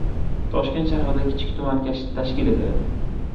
Toshkent shahrida kichik tuman tashkil etiladi